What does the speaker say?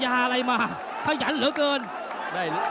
ตอนนี้มันถึง๓